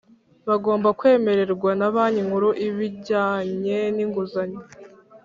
Bagomba kwemererwa na Banki Nkuru ibijyanye n’inguzanyo